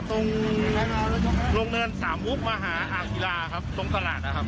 ตรงโรงเนินสามุกมหาอ่างศิลาครับตรงตลาดนะครับ